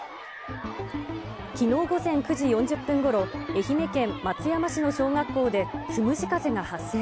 きのう午前９時４０分ごろ、愛媛県松山市の小学校でつむじ風が発生。